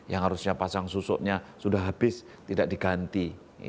yang harusnya pasang susuknya sudah habis tidak diganti